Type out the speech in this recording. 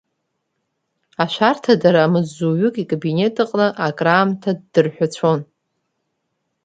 Ашәарҭадара амаҵзуҩык икабинет аҟны акраамҭа ддырҳәацәон.